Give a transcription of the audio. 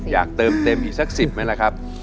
อยากเติมเต็มอีกสัก๑๐ไหมล่ะครับ